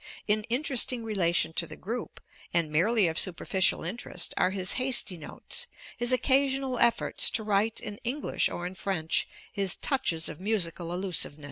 In interesting relation to the group, and merely of superficial interest, are his hasty notes, his occasional efforts to write in English or in French, his touches of musical allusiveness.